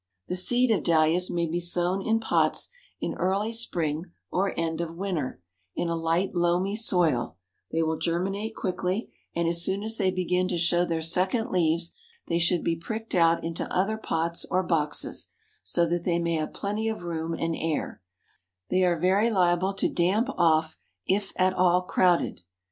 The seed of Dahlias may be sown in pots in early spring or end of winter, in a light, loamy soil; they will germinate quickly, and as soon as they begin to show their second leaves they should be pricked out into other pots or boxes, so that they may have plenty of room and air they are very liable to damp off if at all crowded.